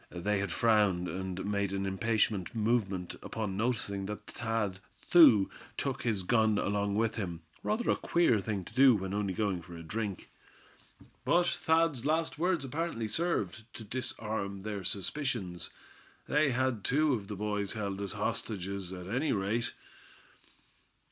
They had frowned, and made an impatient movement upon noticing that Thad, too, took his gun along with him, rather a queer thing to do when only going for a drink. But Thad's last words apparently served to disarm their suspicions. They had two of the boys held as hostages, at any rate.